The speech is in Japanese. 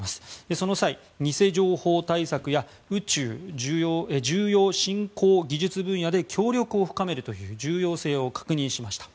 その際、偽情報対策や宇宙重要・新興技術分野で協力を求めるという重要性を確認しました。